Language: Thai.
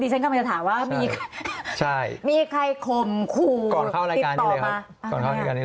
ฉันกำลังจะถามว่ามีใครมีใครข่มขู่ติดต่อมา